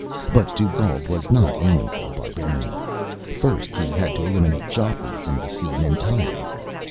But Dugald was not aiming for The Barbarian. First he had to eliminate Geoffrey from the scene entirely.